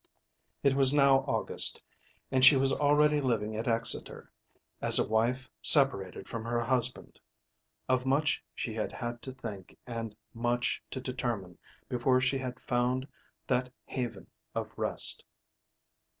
It was now August, and she was already living at Exeter as a wife separated from her husband. Of much she had had to think and much to determine before she had found that haven of rest.